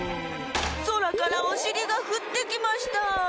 そらからおしりがふってきました。